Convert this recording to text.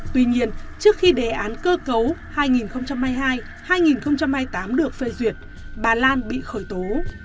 tuy nhiên trước khi đề án cơ cấu hai nghìn hai mươi hai hai nghìn hai mươi tám được phê duyệt bà lan bị khởi tố